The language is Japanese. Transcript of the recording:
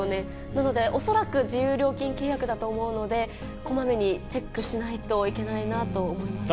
なので、恐らく自由料金契約だと思うので、こまめにチェックしないといけないなと思います。